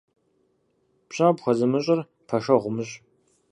Пщӏэ къыпхуэзымыщӏыр пэшэгъу умыщӏ.